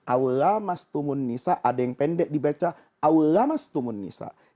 aulama'a astumun nisa'a ada yang pendek dibaca awulama'a astumun nisa'a